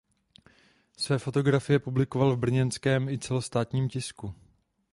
Své fotografie publikoval v brněnském i celostátním tisku.